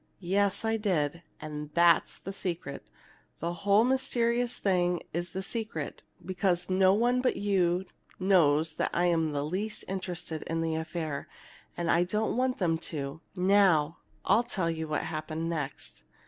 "Yes, I did. And that's the secret. The whole mysterious thing is in the secret, because no one but you knows I'm the least interested in the affair, and I don't want them to now! I'll tell you what happened next."